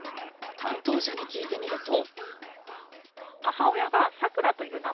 担当者に聞いてみると。